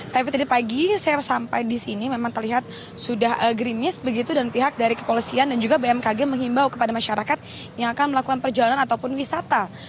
tapi tadi pagi saya sampai di sini memang terlihat sudah grimis begitu dan pihak dari kepolisian dan juga bmkg menghimbau kepada masyarakat yang akan melakukan perjalanan ataupun wisata